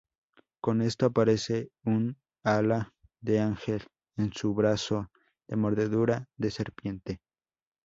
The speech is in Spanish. Con esto, aparece un ala de ángel en su brazo de mordedura de serpiente.